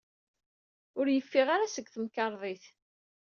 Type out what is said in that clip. Ur yeffiɣ ara seg temkarḍit.